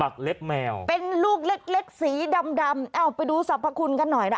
ของเอกสีดำเอ้าไปดูสรรพคุณกันหน่อย